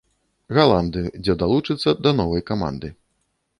Галандыю, дзе далучыцца да новай каманды.